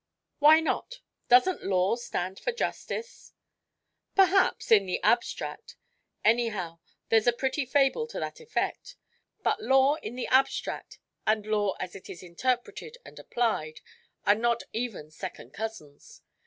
"Why not? Doesn't law stand for justice?" "Perhaps; in the abstract. Anyhow, there's a pretty fable to that effect. But law in the abstract, and law as it is interpreted and applied, are not even second cousins.